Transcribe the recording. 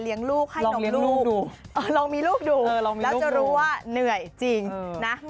เลี้ยงลูกให้ดมลูกลองลูกดูแล้วจะรู้ว่าเหนื่อยจริงนะลองเลี้ยงลูกดู